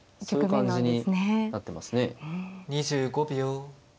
２５秒。